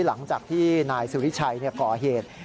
หลังจากที่นายสุริชัยก่อเหตุ